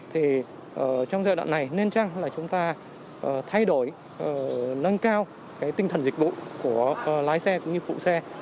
thì trong giai đoạn này nên chăng là chúng ta thay đổi nâng cao cái tinh thần dịch vụ của lái xe cũng như phụ xe